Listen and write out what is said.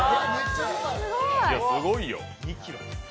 すごいよ。